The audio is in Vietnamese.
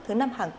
trên kênh antv